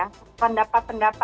pendapat pendapat dan pendapat